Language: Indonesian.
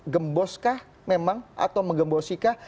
gemboskah memang atau menggembosikah